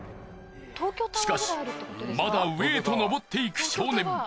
しかしまだ上へと登っていく少年。